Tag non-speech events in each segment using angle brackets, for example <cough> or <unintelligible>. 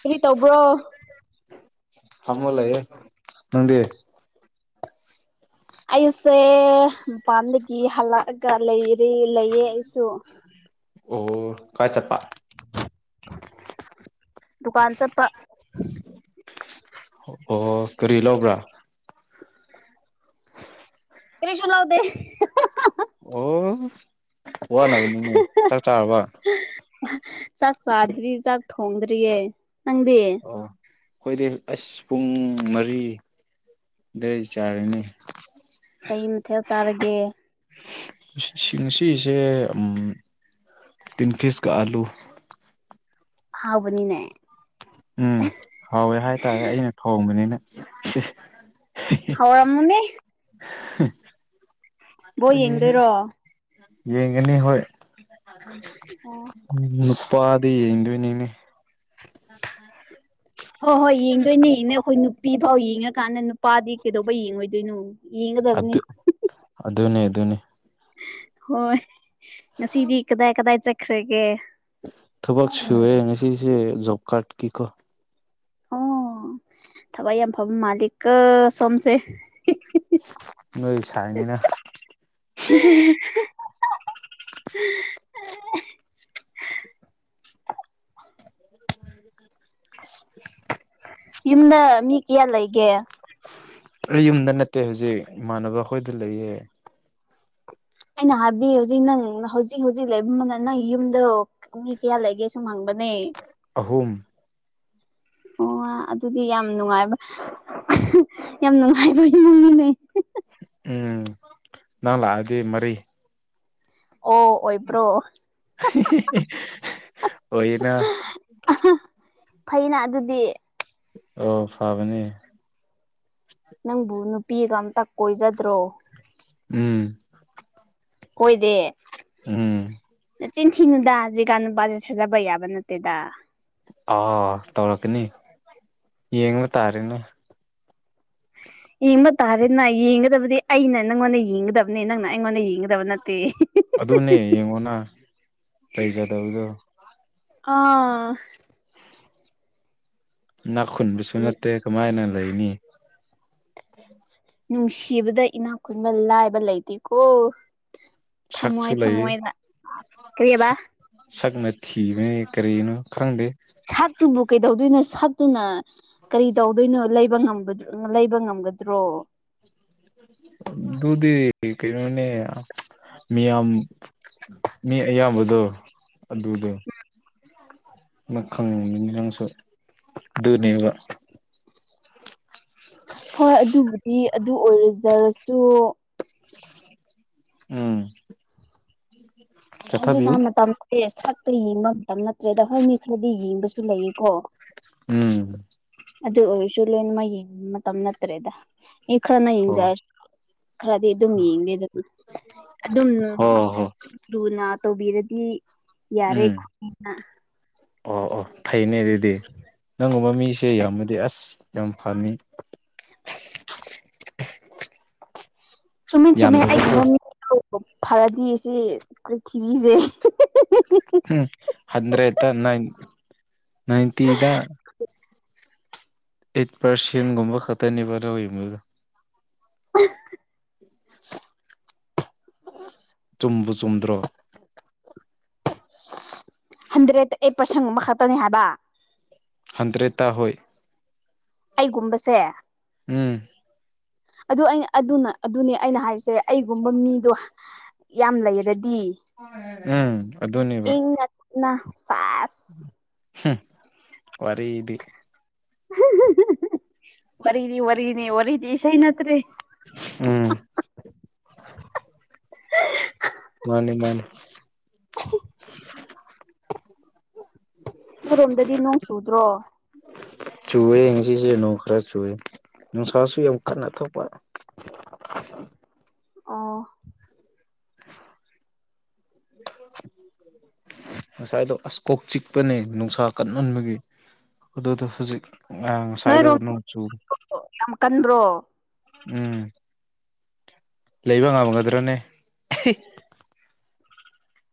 ꯀꯔꯤ ꯇꯒ꯭ꯔꯣ ꯊꯝꯃꯂꯩꯌꯦ ꯅꯪꯗꯤ <inaudible> ꯑꯩꯁꯦ ꯃꯄꯥꯟꯗꯒꯤ ꯍꯜꯂꯛꯑꯒ ꯂꯩꯔꯦ ꯂꯩꯌꯦ ꯑꯩꯁꯨ ꯑꯣ ꯀꯥꯏ ꯆꯠꯄ <inaudible> ꯗꯨꯀꯥꯟ ꯆꯠꯄ ꯑꯣ ꯀꯔꯤ ꯂꯧꯕ꯭ꯔꯥ ꯀꯔꯤꯁꯨ ꯂꯧꯗꯦ ꯑꯣ ꯋꯥꯅꯕꯅꯤꯅꯦ ꯆꯥꯛ ꯆꯥꯔꯕ ꯆꯥꯛ ꯆꯥꯗ꯭ꯔꯤ ꯆꯥꯛ ꯊꯣꯡꯗ꯭ꯔꯤꯌꯦ ꯅꯪꯗꯤ ꯑꯣ ꯑꯩꯈꯣꯏꯗꯤ ꯑꯁ ꯄꯨꯡ ꯃꯔꯤ ꯗ ꯆꯥꯔꯅꯤ ꯀꯩ ꯃꯊꯦꯜ ꯆꯥꯔꯒꯦ ꯁꯤꯡꯁꯤꯁꯦ ꯎꯝ ꯇꯤꯟ ꯐꯤꯁꯀ ꯑꯥꯂꯨ ꯑꯍꯥꯎꯕꯅꯤꯅꯦ ꯎꯝ ꯍꯥꯎꯋꯦ ꯍꯥꯏꯇꯥꯔꯦ ꯑꯩꯅ ꯊꯣꯡꯕꯅꯤꯅ ꯑꯣꯏꯔꯝꯃꯅꯤ ꯕꯣꯜ ꯌꯦꯡꯗꯣꯏꯔꯣ ꯌꯦꯡꯒꯅꯤ ꯍꯣꯏ ꯑꯣ ꯅꯨꯄꯥꯗꯤ ꯌꯦꯡꯗꯣꯏꯅꯤꯅꯦ ꯍꯣꯏ ꯍꯣꯏ ꯌꯦꯡꯗꯣꯏꯅꯦ ꯑꯩꯈꯣꯏ ꯅꯨ ꯅꯨꯄꯤ ꯐꯥꯎ ꯌꯦꯡꯉꯀꯥꯟꯗ ꯅꯨꯄꯥꯗꯤ ꯀꯩꯗꯧꯕ ꯌꯦꯡꯉꯣꯏꯗꯣꯏꯅꯣ ꯌꯦꯡꯒꯗꯕꯅꯤ ꯑꯗꯨ ꯑꯗꯨꯅꯦ ꯑꯗꯨꯅꯦ ꯍꯣꯏ ꯉꯁꯤꯗꯤ ꯀꯗꯥꯏ ꯀꯗꯥꯏ ꯆꯠꯈ꯭ꯔꯒꯦ ꯊꯕꯛ ꯁꯨꯋꯦ ꯉꯁꯤꯁꯦ ꯖꯣꯕ ꯀꯥꯔꯠ ꯀꯤ ꯀꯣ ꯑꯣ ꯊꯕꯛ ꯌꯥꯝ ꯐꯕ ꯃꯥꯂꯤ ꯀꯣ ꯁꯣꯝꯁꯦ ꯅꯣꯏ ꯁꯥꯏꯅꯤꯅ <unintelligible> <inaudible> ꯌꯨꯝꯗ ꯃꯤ ꯀꯌꯥ ꯂꯩꯒꯦ ꯑꯩ ꯌꯨꯝꯗ ꯅꯠꯇꯦ ꯍꯧꯖꯤꯛ ꯏꯃꯥꯟꯅꯕ ꯈꯣꯏꯗ ꯂꯩꯌꯦ ꯑꯩꯅ ꯍꯥꯏꯕꯗꯤ ꯍꯧꯖꯤꯛ ꯅꯪ ꯍꯧꯖꯤꯛ ꯍꯧꯖꯤꯛ ꯂꯩꯕ ꯅꯪ ꯌꯨꯝꯗꯣ ꯃꯤ ꯀꯌꯥ ꯂꯩꯒꯦ ꯁꯨꯝ ꯍꯪꯕꯅꯦ ꯑꯍꯨꯝ ꯑꯣ ꯑꯗꯨꯗꯤ ꯌꯥꯝ ꯅꯨꯡꯉꯥꯏꯕ ꯌꯥꯝ ꯅꯨꯡꯉꯥꯏꯕ ꯏꯃꯨꯡꯅꯤꯅꯦ ꯎꯝ ꯅꯪ ꯂꯥꯛꯑꯗꯤ ꯃꯔꯤ ꯑꯣ ꯑꯣꯏꯕ꯭ꯔꯣ ꯑꯣꯏꯅ ꯐꯩꯅ ꯑꯗꯨꯗꯤ ꯑꯣ ꯐꯥꯕꯅꯦ ꯅꯪꯕꯨ ꯅꯨꯄꯤꯒ ꯑꯝꯇ ꯀꯣꯏꯖꯗ꯭ꯔꯣ ꯎꯝ ꯀꯣꯏꯗꯦ ꯎꯝ ꯆꯤꯟ ꯊꯤꯅꯨꯗ ꯍꯧꯖꯤꯛꯀꯥꯟ ꯅꯨꯄꯥꯁꯦ ꯊꯥꯖꯕ ꯌꯥꯕ ꯅꯠꯇꯦꯗ ꯑꯥ ꯇꯧꯔꯛꯀꯅꯤ ꯌꯦꯡꯕ ꯇꯥꯔꯦꯅꯦ ꯌꯦꯡꯕ ꯇꯥꯔꯦꯅ ꯌꯦꯡꯒꯗꯕꯗꯤ ꯑꯩꯅ ꯅꯪꯉꯣꯟꯗ ꯌꯦꯡꯒꯗꯕꯅꯤ ꯅꯪꯅ ꯑꯩꯉꯣꯟꯗ ꯌꯦꯡꯒꯗꯕ ꯅꯠꯇꯦ ꯑꯗꯨꯅꯦ ꯌꯦꯡꯉꯣꯅ ꯂꯩꯖꯗꯕꯗꯣ ꯑꯣ ꯏꯅꯥꯛꯈꯨꯟꯕꯁꯨ ꯅꯠꯇꯦ ꯀꯃꯥꯏꯅ ꯂꯩꯅꯤ ꯅꯨꯡꯁꯤꯕꯗ ꯏꯅꯥꯛ ꯈꯨꯨꯟꯕ ꯂꯥꯏꯕ ꯂꯩꯇꯦꯀꯣ ꯁꯛꯁꯨ ꯊꯝꯃꯣꯏ ꯂꯩ ꯊꯝꯃꯣꯏꯗ ꯀꯔꯤꯍꯥꯏꯕ ꯁꯛꯅ ꯊꯤꯕ ꯀꯔꯤꯅꯣ ꯈꯪꯗꯦ ꯁꯠꯇꯨꯕꯨ ꯀꯩꯗꯧꯗꯣꯏꯅꯣ ꯁꯠꯇꯨꯅ ꯀꯔꯤ ꯇꯧꯗꯣꯏꯅꯣ ꯂꯩꯕ ꯉꯝꯕꯗꯨ ꯂꯩꯕ ꯉꯝꯒꯗ꯭ꯔꯣ ꯑꯗꯨꯗꯤ ꯀꯩꯅꯣꯅꯦ ꯃꯤꯌꯥꯝ ꯃꯤ ꯑꯌꯥꯝꯕꯗꯣ ꯑꯗꯨꯗꯣ ꯃꯈꯪꯅꯤꯅꯤ ꯅꯪꯁꯨ ꯗꯨꯅꯦꯕ ꯍꯣꯏ ꯑꯗꯨꯕꯨꯗꯤ ꯑꯗꯨ ꯑꯣꯏꯔꯖꯔꯁꯨ ꯎꯝ ꯑꯩ ꯆꯠꯊꯕꯤꯌꯨ ꯍꯧꯖꯤꯛꯀꯥꯟ ꯃꯇꯝꯁ ꯁꯛꯄ ꯌꯦꯡꯕ ꯃꯇꯝ ꯅꯠꯇ꯭ꯔꯦꯗ ꯍꯣꯏ ꯃꯤ ꯈꯔꯗꯤ ꯌꯦꯡꯕꯁꯨ ꯂꯩꯌꯦꯀꯣ ꯎꯝ ꯑꯗꯨ ꯑꯣꯏꯔꯁꯨ ꯂꯣꯏ ꯃꯛꯌꯦꯡ ꯃꯇꯝ ꯅꯠꯇ꯭ꯔꯦꯗ ꯏ ꯈꯔꯅ ꯍꯣ ꯌꯦꯡꯖꯔꯁꯨ ꯈꯔꯗꯤ ꯑꯗꯨꯝ ꯌꯦꯡꯅꯤꯗꯗꯨꯝ ꯑꯗꯨꯅ ꯑꯗꯨꯝ ꯍꯣ ꯍꯣ ꯂꯨ ꯇꯧꯕꯤꯔꯗꯤ ꯌꯥꯔꯦ ꯎꯝ ꯈꯣꯏꯅ ꯑꯣ ꯑꯣ ꯐꯩꯅꯦ ꯑꯗꯨꯗꯤ ꯅꯪꯒꯨꯝꯕ ꯃꯤꯁꯦ ꯌꯥꯝꯃꯗꯤ ꯑꯁ ꯌꯥꯝ ꯐꯅꯤ ꯆꯨꯝꯃꯤ ꯆꯨꯝꯃꯤ ꯌꯥꯝꯗꯕꯀꯣ ꯑꯩꯒꯨꯝꯕ ꯃꯤ ꯐꯔꯗꯤ ꯁꯤ ꯄꯔꯤꯛꯊꯤꯕꯤꯁꯦ ꯎꯝ ꯍꯟꯗ꯭ꯔꯦ ꯑꯠꯇ ꯅꯏꯟ ꯅꯏꯟꯇꯤꯗ ꯑꯩꯠ ꯄꯥꯔꯁꯦꯟꯒꯨꯝꯕ ꯈꯛꯇꯅꯦꯕꯗꯧ ꯑꯗꯨ <unintelligible> <inaudible> ꯆꯨꯝꯕꯨ ꯆꯨꯝꯗ꯭ꯔꯣ ꯍꯟꯗ꯭ꯔꯦꯗ ꯑꯩꯠ ꯄꯥꯔꯁꯦꯟ ꯒꯨꯕꯅꯦ ꯈꯛꯇꯅꯦ ꯍꯥꯏꯕ ꯍꯟꯗ꯭ꯔꯦꯠꯇꯥ ꯍꯣꯏ ꯑꯩꯒꯨꯝꯕꯁꯦ ꯑꯪ ꯑꯗꯨ ꯑꯩꯅ ꯑꯗꯨꯅ ꯑꯗꯨꯅꯦ ꯑꯩꯅ ꯍꯥꯏꯔꯤꯁꯦ ꯑꯩꯒꯨꯝꯕ ꯃꯤꯗꯣ ꯌꯥꯝ ꯂꯩꯔꯗꯤ ꯎꯝ ꯑꯗꯨꯅꯦꯕ ꯅ ꯁꯦꯁ ꯍꯨꯝ ꯋꯥꯔꯤꯗꯤ ꯋꯥꯔꯤꯗꯤ ꯋꯥꯔꯤꯅꯦ ꯋꯥꯔꯤꯗꯤ ꯏꯁꯩꯅꯠꯇ꯭ꯔꯦ ꯎꯝ ꯃꯥꯟꯅꯤ ꯃꯥꯟꯅꯤ ꯅꯣꯏꯔꯣꯝꯗꯗꯤ ꯅꯣꯡ ꯆꯨꯗ꯭ꯔꯣ ꯆꯨꯏꯋꯦ ꯉꯁꯤꯁꯦ ꯅꯣꯡ ꯈꯔ ꯆꯨꯔꯦ ꯅꯨꯡꯁꯥꯁꯨ ꯌꯥꯝ ꯀꯟꯅ ꯊꯣꯛꯄ ꯑꯣ <unintelligible> ꯉꯁꯥꯏꯗꯣ ꯑꯁ ꯀꯣꯛ ꯆꯤꯛꯄꯅꯦ ꯅꯨꯡꯁꯥ ꯀꯟꯃꯟꯕꯒꯤ ꯑꯗꯨꯗꯣ ꯍꯧꯖꯤꯛ ꯉꯥ ꯉꯁꯥꯏꯗꯣ ꯅꯣꯏꯔꯣꯝ ꯅꯣꯡꯆꯨ ꯌꯥꯝ ꯀꯟꯕ꯭ꯔꯣ ꯎꯝ ꯂꯩꯕ ꯉꯝꯃꯒꯗ꯭ꯔꯅꯦ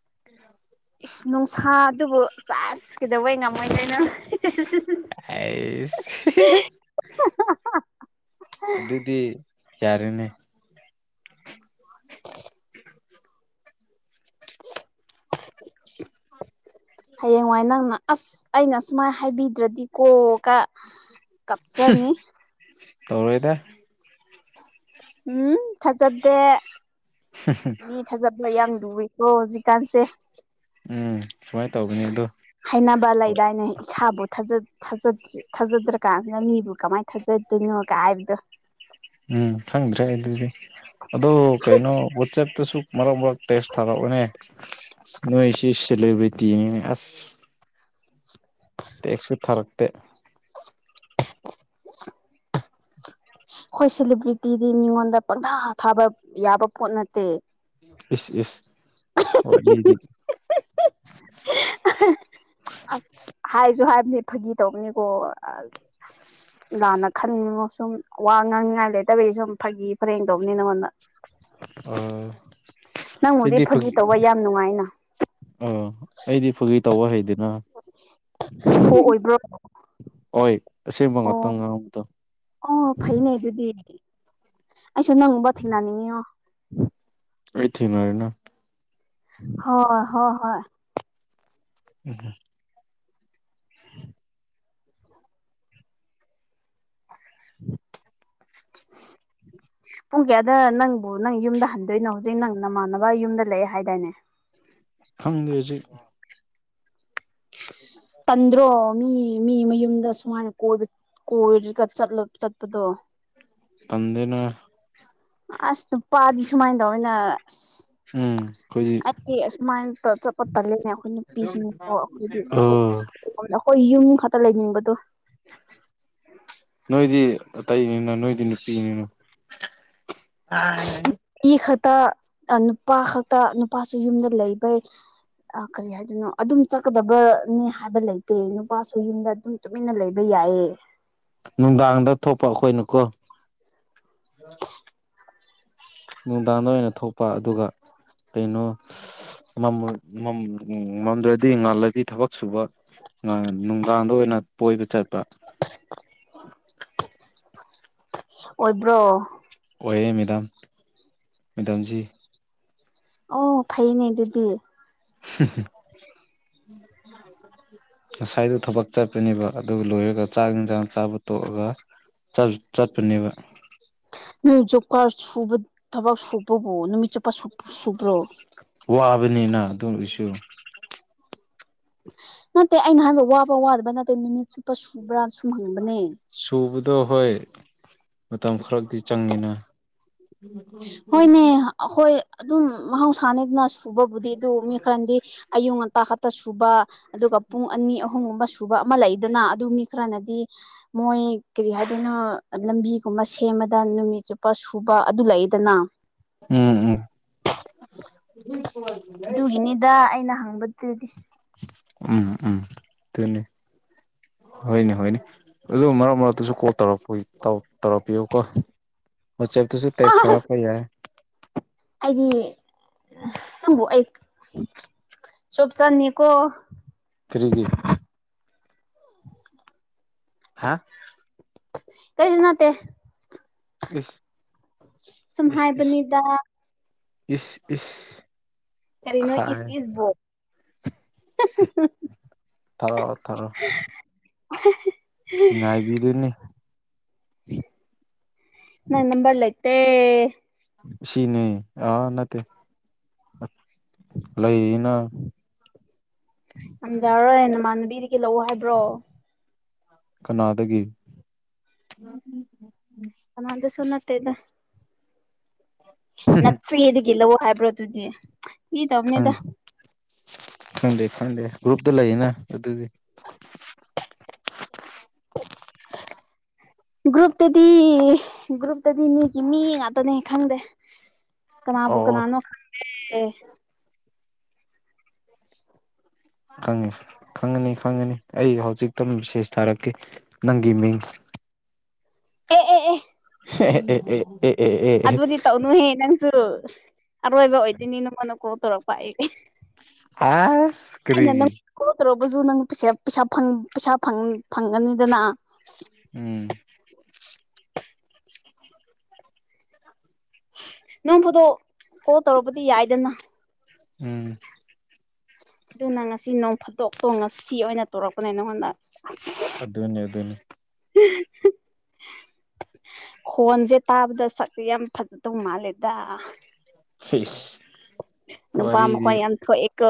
<unintelligible> ꯏꯁ ꯅꯨꯡꯁꯥꯗꯨꯕꯨ ꯁꯦꯁ ꯀꯩꯗꯧꯕꯩ ꯉꯝꯃꯣꯏꯗꯣꯏꯅꯣ ꯑꯩꯁ <unintelligible> ꯑꯗꯨꯗꯤ ꯌꯥꯔꯦꯅꯦ <unintelligible> <unintelligible> ꯍꯌꯦꯡꯋꯥꯏ ꯅꯪꯅ ꯑꯁ ꯑꯩꯅ ꯁꯨꯃꯥꯏꯅ ꯍꯥꯏꯕꯤꯗ꯭ꯔꯗꯤꯀꯣꯀ <unintelligible> ꯇꯧꯔꯣꯏꯗ ꯎꯝ ꯊꯥꯖꯗꯦ <unintelligible> ꯃꯤ ꯊꯥꯖꯕ꯭ꯂ ꯌꯥꯝ ꯂꯨꯑꯦꯀꯣ ꯍꯧꯖꯤꯛꯀꯥꯟꯁꯦ ꯎꯝ ꯁꯨꯃꯥꯏ ꯇꯧꯕꯅꯦꯗꯣ ꯍꯥꯏꯅꯕ ꯂꯩꯗꯥꯏꯅꯦ ꯏꯁꯥꯕꯨ ꯊꯥꯖ ꯊꯥꯖꯗ꯭ꯔꯤ ꯊꯥꯖꯗ꯭ꯔ ꯀꯥꯟꯁꯤꯗꯅ ꯃꯤꯕꯨ ꯀꯃꯥꯏꯅ ꯊꯥꯖꯗꯣꯏꯅꯣꯀ ꯍꯥꯏꯕꯗꯣ ꯎꯝ ꯈꯪꯗ꯭ꯔꯦ ꯑꯗꯨꯗꯤ ꯑꯗꯨ ꯀꯩꯅꯣ ꯋꯥꯆꯦꯞꯇꯁꯨ ꯃꯔꯛ ꯃꯔꯛ ꯇꯦꯛꯁ ꯊꯥꯔꯛꯎꯅꯦ ꯅꯣꯏꯁꯤ ꯁꯦꯂꯦꯕ꯭ꯔꯤꯇꯅꯤꯅꯦ ꯑꯁ ꯇꯦꯛꯁꯁꯨ ꯊꯥꯔꯛꯇꯦ <unintelligible> <unintelligible> ꯍꫭ ꯁꯦꯂꯦꯕ꯭ꯔꯤꯇꯤꯗꯤ ꯃꯤꯉꯣꯟꯗ ꯄꯪꯊꯥ ꯊꯥꯕ ꯌꯥꯕ ꯄꯣꯠ ꯅꯠꯇꯦ ꯏꯁ ꯏꯁ ꯋꯥꯔꯤꯗꯤ <unintelligible> ꯑꯁ ꯍꯥꯏꯖꯨ ꯍꯥꯏꯕꯅꯤ ꯐꯥꯒꯤ ꯇꯧꯕꯅꯤꯀꯣ ꯑ ꯂꯥꯟꯅ ꯈꯟꯉꯣ ꯁꯨꯝ ꯋꯥ ꯉꯥꯡꯅꯤꯉꯥꯏ ꯂꯩꯇꯕꯒꯤ ꯁꯨꯝ ꯐꯥꯒꯤ ꯐꯔꯦꯡ ꯇꯧꯕꯅꯤ ꯅꯉꯣꯟꯗ ꯎꯝ ꯅꯪꯕꯨꯗꯤ ꯐꯥꯒꯤ ꯇꯧꯕ ꯌꯥꯝ ꯅꯨꯡꯉꯥꯏꯅ ꯑ ꯑꯩꯗꯤ ꯐꯒꯤ ꯇꯧꯕ ꯍꯩꯗꯅ ꯑꯣ ꯑꯣꯏꯕ꯭ꯔꯣ ꯑꫭꯏ ꯑꯁꯦꯡꯕꯉꯥꯛꯇ ꯑꯣ ꯉꯥꯡꯕꯗꯣ ꯑꯣ ꯐꯩꯅꯦ ꯑꯗꯨꯗꯤ ꯑꯩꯁꯨ ꯅꯪꯒꯨꯝꯕ ꯊꯦꯡꯅꯅꯤꯡꯉꯤꯉꯣ ꯑꯩ ꯊꯦꯡꯅꯔꯦꯅ ꯍꯣ ꯍꯣ ꯍꯣꯏ <unintelligible> <unintelligible> ꯄꯨꯡ ꯀꯌꯥꯗ ꯅꯪꯕꯨ ꯅꯪ ꯌꯨꯝꯗ ꯍꯟꯗꯣꯏꯅꯣ ꯍꯨꯖꯤꯛ ꯅꯪ ꯅꯃꯥꯟꯅꯕ ꯌꯨꯝꯗ ꯂꯩꯌꯦ ꯍꯥꯏꯗꯥꯏꯅꯦ ꯈꯪꯗꯦꯖꯤꯛ <unintelligible> ꯇꯟꯗ꯭ꯔꯣ ꯃꯤ ꯃꯤ ꯃꯌꯨꯝꯗ ꯁꯨꯃꯥꯏꯅ ꯀꯣꯏꯕ ꯀꯣꯏꯔꯒ ꯆꯠꯂ ꯆꯠꯄꯗꯣ ꯇꯟꯗꯦꯅꫭꯏ ꯑꯁ ꯅꯨꯄꯥꯗꯤ ꯁꯨꯃꯥꯏꯟ ꯇꯧꯏꯅ ꯑꯁ ꯍꯨꯝ ꯈꯣꯢꯗꯤ ꯑꯦ ꯑꯁꯨꯃꯥꯏꯅ ꯇ ꯆꯠꯄ ꯇꯜꯂꯦꯅꯦ ꯑꯩꯈꯣꯏ ꯅꯨꯄꯤꯁꯤꯡꯗꯣ ꯑꯩꯈꯣꯏꯗꯤ ꯑꯥ <unintelligible> ꯍꯣꯏ ꯌꯨꯝ ꯈꯛꯇ ꯂꯩꯅꯤꯡꯕꯗꯣ ꯅꯣꯏꯗꯤ ꯑꯇꯩꯅꯤꯅ ꯅꯣꯏꯗꯤ ꯅꯨꯄꯤꯅꯤꯅ <unintelligible> ꯏ ꯈꯇ ꯑ ꯅꯨꯄꯥ ꯈꯛꯇ ꯅꯨꯄꯥꯁꯨ ꯌꯨꯝꯗ ꯂꯩꯕꯩ ꯑ ꯀꯔꯤ ꯍꯥꯢ ꯍꯥꯏꯗꯨꯅꯣ ꯑꯗꯨꯝ ꯆꯀꯗꯕꯅꯤ ꯍꯥꯏꯕ ꯂꯩꯇꯦ ꯅꯨꯄꯥꯁꯨ ꯌꯨꯝꯗ ꯑꯗꯨꯝ ꯇꯨꯃꯤꯟꯅ ꯂꯩꯕ ꯌꯥꯏꯌꯦ ꯅꯨꯡꯗꯥꯡꯗ ꯊꯣꯛꯄ ꯑꯈꯣꯏꯅꯀꯣ ꯅꯨꯡꯗꯥꯡꯗ ꯑꯣꯏꯅ ꯊꯣꯛꯄ ꯑꯗꯨꯒ ꯀꯩꯅꯣ ꯃꯝꯃ ꯃꯝ ꯑꯝ ꯃꯝꯗ꯭ꯔꯗꯤ ꯉꯥꯜꯂꯗꯤ ꯊꯕꯛ ꯁꯨꯕ ꯅꯪ ꯅꯨꯡꯗꯥꯡꯗ ꯑꯣꯏꯅ ꯀꫭꯏꯕ ꯆꯠꯄ <inaudible> ꯑꯣꯏꯕ꯭ꯔꯣ ꯑꯣꯏꯌꯦ ꯃꯦꯗꯥꯝ ꯃꯦꯗꯥꯝꯖꯤ ꯑꯣ ꯐꯩꯅꯦ ꯑꯗꯨꯗꯤ <unintelligible> <unintelligible> ꯉꯁꯥꯏꯗꯣ ꯊꯕꯛ ꯆꯠꯄꯅꯦꯕ ꯑꯗꯨ ꯂꯣꯏꯔꯒ ꯆꯥꯛ ꯏꯟꯖꯥꯡ ꯆꯥꯕ ꯇꯣꯛꯑꯒ ꯆꯞ ꯆꯠꯄꯅꯦꯕ ꯅꯪ ꯖꯨꯞꯀꯥꯔꯕ ꯁꯨꯕ ꯊꯕꯛ ꯁꯨꯕꯕꯨ ꯅꯨꯃꯤꯠ ꯆꯨꯞꯄ ꯁꯨ ꯁꯨꯕ꯭ꯔꯣ ꯋꯥꯕꯅꯤꯅ ꯑꯗꯨ ꯑꯣꯏꯁꯨ ꯅꯠꯇꯦ ꯑꯩꯅ ꯍꯥꯏꯕ ꯋꯥꯕ ꯋꯥꯗꯕ꯭ꯔꯥ ꯅꯠꯇꯦ ꯅꯨꯃꯤꯠ ꯆꯨꯞꯄ ꯁꯨꯕ꯭ꯔꯥ ꯁꯨꯝ ꯍꯪꯕꯅꯦ ꯁꯨꯕꯗꯣ ꯍꯣꯏ ꯃꯇꯝ ꯈꯔꯗꯤ ꯆꯪꯉꯤꯅ ꯍꯣꯏꯅꯦ ꯑꯈꯣꯏ ꯑꯗꯨꯝ ꯃꯍꯧꯁꯥꯅꯦꯗꯅ ꯁꯨ ꯁꯨꯕꯕꯨꯗꯤ ꯑꯗꯨ ꯃꯤ ꯈꯔꯅꯗꯤ ꯑꯌꯨꯛ ꯉꯟꯇꯥ ꯈꯛꯇ ꯁꯨꯕ ꯑꯗꯨꯒ ꯄꯨꯡ ꯑꯅꯤ ꯑꯍꯨꯝꯒꯨꯝꯕ ꯁꯨꯕ ꯑꯃ ꯂꯩꯗꯅ ꯑꯗꯨ ꯃꯤ ꯈꯔꯅꯗꯤ ꯃꯣꯏ ꯀꯔꯤ ꯍꯥꯏꯗꯣꯏꯅꯣ ꯂꯝꯕꯤꯒꯨꯝꯕ ꯁꯦꯝꯃꯗ ꯅꯨꯃꯤꯠ ꯆꯨꯞꯄ ꯁꯨꯕ ꯑꯗꯨ ꯂꯩ ꯗꯅꯥ ꯎꯪ ꯎꯪ ꯑꯗꯨꯒꯤꯅꯤꯗ ꯑꯩꯅ ꯍꯪꯕꯗꯨꯗꯤ ꯎꯝ ꯎꯝ ꯇꯨꯅꯦ ꯍꯣꯏꯅꯦ ꯍꯣꯏꯅꯦ ꯑꯗꯨ ꯃꯔꯛ ꯃꯔꯛꯇꯁꯨ ꯀꯣꯜ ꯇꯧꯔꯛ ꯄꯨꯏ ꯇꯧ ꯇꯧꯔꯛꯄꯤꯌꯨꯀꯣ ꯋꯥꯆꯦꯞꯇꯨꯁꯨ ꯇꯦꯛꯁ ꯁꯥꯁ ꯊꯥꯔꯛꯄ ꯌꯥꯏ ꯑꯩꯗꯤ ꯅꯪꯕꯨ ꯑꯩ ꯆꯣꯞ ꯆꯅꯤꯀꯣ ꯀꯔꯤꯒꯤ ꯍꯥ ꯀꯔꯤꯁꯨ ꯅꯠꯇꯦ ꯏꯁ ꯁꯨꯝ ꯏꯁ ꯏꯁ ꯍꯥꯏꯕꯅꯤꯗ ꯏꯁ ꯏꯁ ꯀꯔꯤꯅꯣ ꯈꯥꯏ ꯏꯁ ꯏꯁꯕꯣ ꯇꯧꯔꯛꯑꯣ ꯇꯔꯣ <unintelligible> ꯉꯥꯏꯕꯤꯗꯨꯏꯅꯦ ꯅꯪ ꯅꯝꯕꯔ ꯂꯩꯇꯦ ꯁꯤꯅꯦ ꯑꯥ ꯅꯠꯇꯦ ꯂꯩꯌꯦꯅ ꯉꯝꯖꯔꯔꯣꯏ ꯅꯃꯥꯟꯅꯕꯤꯗꯒꯤ ꯂꯧꯑꯣ ꯍꯥꯏꯕ꯭ꯔꯣ ꯀꯅꯥꯗꯒꯤ <unintelligible> ꯀꯅꯗꯁꯨ ꯅꯠꯇ‌ꯦꯗ ꯅ ꯐ꯭ꯔꯤꯗꯒꯤ ꯂꯧꯑꯣ ꯍꯥꯏꯕ꯭ꯔꯣ ꯑꯗꯨꯗꯤ ꯐꯥꯒꯤ ꯈꯪ ꯇꯧꯕꯅꯤꯗ ꯈꯪꯗꯦ ꯈꯪꯗꯦ ꯒ꯭ꯔꯨꯞꯇ ꯂꯩꯌꯦꯅ ꯑꯗꯨꯗꯤ ꯒ꯭ꯔꯨꯞꯇꯗꯤ ꯒ꯭ꯔꯨꯞꯇꯗꯤ ꯃꯤꯒꯤ ꯃꯤ ꯉꯥꯛꯇꯅꯦ ꯈꯪꯗꯦ ꯀꯅꯥꯕꯨ ꯑꯣ ꯀꯅꯥꯅꯣ ꯈꯪꯗ‌ꯦ ꯈꯪꯉꯦ ꯈꯪꯉꯅꯤ ꯈꯪꯒꯅꯤ ꯑꯩ ꯍꯧꯖꯤꯛꯇꯣ ꯃꯦꯁꯦꯁ ꯊꯥꯔꯛꯀꯦ ꯅꯪꯒꯤ ꯃꯤꯡ ꯑꯦ ꯑꯦ ꯑꯦ ꯑꯦ ꯑꯦ ꯑꯦ ꯑꯦ ꯑꯦ ꯑꯗꯨꯗꯤ ꯑꯦ ꯇꯧꯅꯨꯍꯦ ꯅꯪꯁꯨ ꯑꯔꯣꯏꯕ ꯑꯣꯏꯗꯣꯏꯅꯤ ꯅꯉꯣꯟꯅ ꯀ‌ꯣꯜ ꯇꯧꯔꯛꯄ ꯑꯩ ꯑꯁ ꯑꯩꯅ ꯀꯔꯤꯒꯤ ꯅꯪ ꯀꯣꯜ ꯇꯧꯔꯛꯄꯁꯨ ꯅꯪ ꯄꯩꯁꯥ ꯄꯩꯁꯥ ꯐꯪꯒꯅꯤꯗꯅ ꯎꯝ ꯅꯣꯡꯐꯥꯗ‌ꯣꯛ ꯀꯣꯜ ꯇꯧꯔꯛꯄꯗꯤ ꯌꯥꯏꯗꯅ ꯎꯝ ꯑꯗꯨꯅ ꯉꯁꯤ ꯅꯣꯡ ꯐꯥꯠꯇꯣꯛꯇꯣ ꯉꯁꯤ ꯑꯣꯏꯅ ꯇꯧꯔꯛꯄꯅꯦ ꯅꯪꯉꯣꯟꯗ ꯑꯗꯨꯅꯤ ꯑꯗꯨꯅꯤ <unintelligible> ꯈꯣꯟꯁꯦ ꯇꯥꯕꯗ ꯁꯛꯇꯤ ꯌꯥꯝ ꯐꯖꯗꯧ ꯃꯥꯜꯂꯦꯗ ꯐꯤꯁ ꯅꯨꯄꯥ ꯋꯥꯔꯤꯗꯤ ꯃꯈꯣꯟ ꯌꯥꯝ ꯊꯣꯛꯑꯦꯀꯣ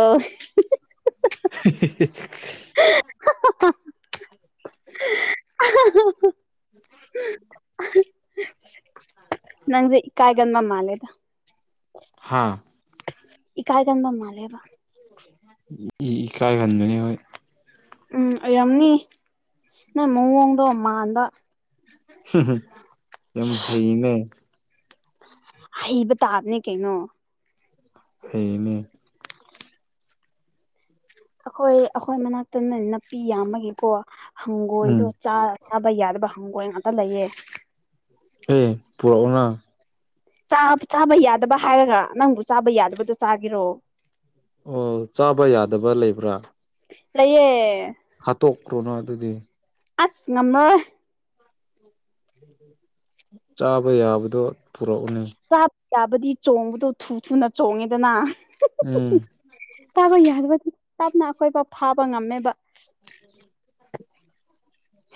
<unintelligible> ꯎꯝ ꯑꯍꯥ ꯑꯍꯥ ꯑꯍꯥ ꯅꯪꯖꯦ ꯀꯥꯏꯒꯟꯕ ꯃꯥꯜꯂꯦꯗ ꯍꯥꯥ ꯏꯀꯥꯥꯏꯒꯟꯕ ꯃꯥꯜꯂ‌ꯦꯕ ꯏꯀꯥꯏꯒꯟꯕꯅꯤ ꯍꯣꯏ ꯎꯝ ꯑꯣꯏꯔꯝꯅꯤ ꯅꯪ ꯃꯑꯣꯡꯗꯣ ꯃꯥꯟꯕ <unintelligible> ꯌꯥꯝ ꯍꯩꯅꯦ ꯍꯩꯕ ꯇꯥꯕꯅꯦ ꯀꯩꯅꯣ ꯐꯩꯌꯦꯅꯦ ꯑꯩꯈꯣꯏ ꯑꯩꯈꯣꯏ ꯃꯅꯥꯛꯇꯅ ꯅꯥꯄꯤ ꯌꯥꯝꯕꯒꯤꯀꯣ ꯎꯝ ꯍꯪꯒꯣꯏꯗꯣ ꯆꯥꯔ ꯆꯥꯕ ꯌꯥꯗꯕ ꯍꯪꯒꯣꯏ ꯉꯥꯛꯇ ꯂꯩꯌꯦ ꯑꯦ ꯄꯨꯔꯛꯑꯣꯅ ꯆꯥꯕ ꯆꯥꯕ ꯌꯥꯗꯕ ꯍꯥꯏꯔꯒ ꯅꯪꯕꯨ ꯆꯥꯕ ꯌꯥꯗꯕꯗꯣ ꯆꯥꯒ‌ꯦꯔꯣ ꯑꯣ ꯆꯥꯕ ꯌꯥꯗꯕ ꯂꯩꯕ꯭ꯔꯥ ꯂꯩꯌꯦ ꯍꯥꯠꯇꯣꯛꯈ꯭ꯔꯣꯅ ꯑꯗꯨꯗꯤ ꯑꯁ ꯉꯝꯃꯔꯣ ꯎꯝ ꯎꯝ ꯆꯥꯕ ꯌꯥꯕꯗꯣ ꯄꯨꯔꯛꯎꯅꯦ ꯆꯥꯕ ꯌꯥꯕꯗꯤ ꯆꯣꯡꯕꯗꯣ ꯊꯨ ꯊꯨꯅ ꯆꯣꯡꯉꯦꯗꯅ ꯎꯝ ꯆꯥꯕ ꯌꯥꯗꯕꯗꯤ ꯇꯞꯅ ꯑꯩꯈꯣꯏ ꯄꯥꯎ ꯐꯥꯕ ꯉꯝꯃꯦꯕ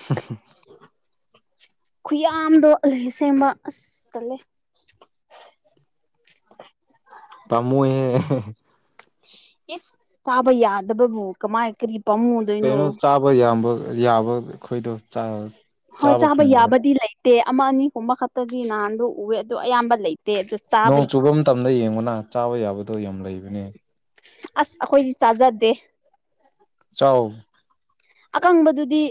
ꯍ <unintelligible> ꯈꯨꯌꯥꯝꯗꯣ ꯑꯂ ꯁꯦꯝꯕ ꯑꯁ ꯇꯜꯂꯦ ꯄꯥꯝꯃ‌ꯣꯏꯍꯦ ꯏꯁ ꯆꯥꯕ ꯌꯥꯗꯕꯕꯨ ꯀꯃꯥꯏ ꯀꯔꯤ ꯄꯝꯃꯨꯗꯣꯏꯅꯣ ꯍꯣꯏ ꯌꯥꯝꯕ ꯌꯥꯕ ꯑꯩꯈꯣꯏꯗꯣ ꯆꯥꯔ ꯍꯣꯏ ꯆꯥꯕ ꯌꯥꯕꯗꯤ ꯂꯩꯇꯦ ꯑꯃ ꯑꯅꯤꯒꯨꯝꯕ ꯈꯛꯇꯗꯤ ꯅꯍꯥꯟꯗꯣ ꯎꯑꯦ ꯑꯗꯨ ꯑꯌꯥꯝꯕ ꯂꯩ... ꯅꯣꯡ ꯆꯨꯕ ꯃꯇꯝꯗ ꯌꯦꯡꯑꯣꯅ ꯆꯥꯕ ꯌꯥꯕꯗꯣ ꯌꯥꯝ ꯂꯩꯕꯅꯦ ꯑꯁ ꯑꯈꯣꯏꯗꯤ ꯆꯥꯖꯗꯦ ꯆꯥꯎ ꯑꯀꯪꯕꯗꯨꯗꯤ